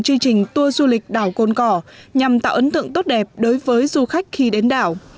chương trình tour du lịch đảo côn cỏ nhằm tạo ấn tượng tốt đẹp đối với du khách khi đến đảo